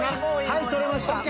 はい取れました。